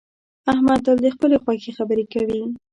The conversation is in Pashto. احمد تل د خپلې خوښې خبرې کوي